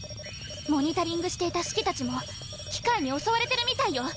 モニタリングしていたシキたちも機械に襲われてるみたいよ！